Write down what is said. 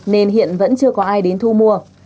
nên hiện vẫn chưa có ai đến thu mua